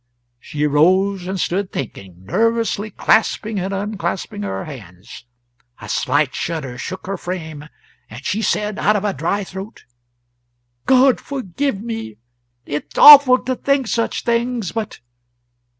She rose and stood thinking, nervously clasping and unclasping her hands. A slight shudder shook her frame, and she said, out of a dry throat, "God forgive me it's awful to think such things but